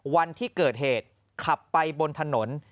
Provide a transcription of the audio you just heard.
วันที่เกิดเหตุขับไปบนถนน